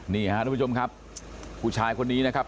นี่ฮะทุกผู้ชมครับผู้ชายคนนี้นะครับ